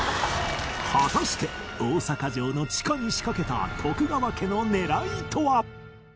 果たして大阪城の地下に仕掛けた徳川家の狙いとは？